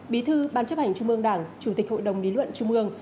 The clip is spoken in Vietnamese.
bí thư ban chấp hành trung ương đảng chủ tịch hội đồng lý luận trung ương